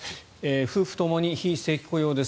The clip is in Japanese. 夫婦ともに非正規雇用です。